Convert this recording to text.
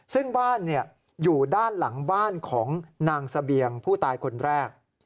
ซึ่งบ้านอยู่ด้านหลังบ้านของนางเสบียงผู้ตายคนแรก